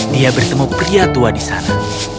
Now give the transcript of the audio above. dia bertemu pria tua di sana